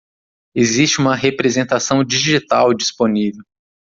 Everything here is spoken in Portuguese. Existe uma representação digital disponível.